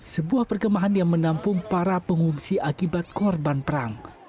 sebuah perkemahan yang menampung para pengungsi akibat korban perang